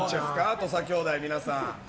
土佐兄弟、皆さん。